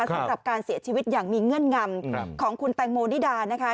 สำหรับการเสียชีวิตอย่างมีเงื่อนงำของคุณแตงโมนิดานะคะ